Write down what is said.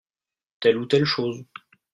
Telle ou telle chose.